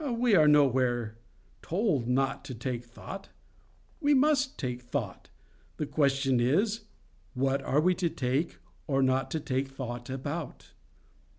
—We are nowhere told not to take thought. We MUST take thought. The question is—What are we to take or not to take thought about?